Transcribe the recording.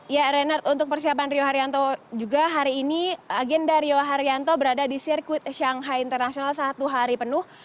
ya renard untuk persiapan rio haryanto juga hari ini agenda rio haryanto berada di sirkuit shanghai international satu hari penuh